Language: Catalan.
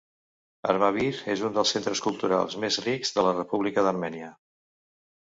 Armavir és un dels centres culturals més rics de la República d'Armènia.